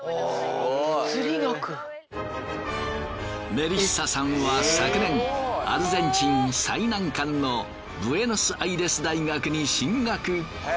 メリッサさんは昨年アルゼンチン最難関のブエノスアイレス大学に進学。